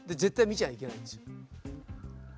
見ちゃいけないんですよ。